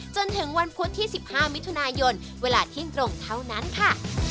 จนถึงวันพุธที่๑๕มิถุนายนเวลาเที่ยงตรงเท่านั้นค่ะ